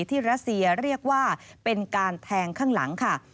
รัสเซียเรียกว่าเป็นการแทงข้างหลังค่ะ